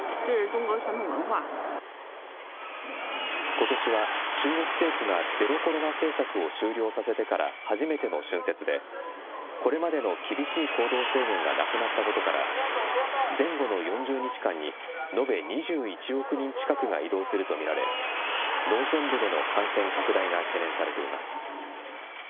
ことしは中国政府がゼロコロナ政策を終了させてから初めての春節で、これまでの厳しい行動制限がなくなったことから、前後の４０日間に延べ２１億人近くが移動すると見られ、農村部での感染拡大が懸念されています。